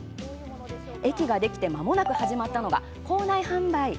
駅ができてまもなく始まったのが構内販売。